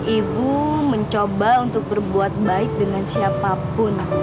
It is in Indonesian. ibu mencoba untuk berbuat baik dengan siapapun